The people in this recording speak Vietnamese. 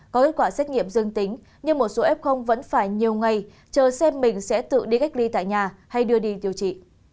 có kết quả xét nghiệm dương tính nhưng một số f vẫn phải nhiều ngày chờ xem mình sẽ tự đi cách ly tại nhà hay đưa đi điều trị